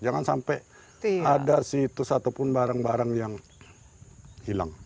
jangan sampai ada situs ataupun barang barang yang hilang